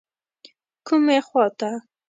کومې خواته.